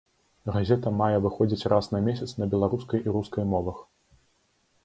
Газета мае выходзіць раз на месяц на беларускай і рускай мовах.